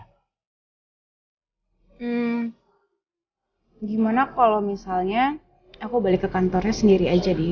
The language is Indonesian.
hmm gimana kalau misalnya aku balik ke kantornya sendiri aja deh